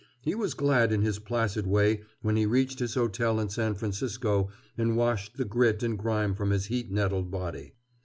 He was glad in his placid way when he reached his hotel in San Francisco and washed the grit and grime from his heat nettled body.